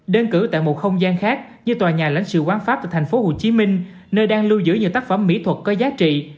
đơn cử tại một không gian khác như tòa nhà lãnh sự quán pháp tại tp hcm nơi đang lưu giữ nhiều tác phẩm mỹ thuật có giá trị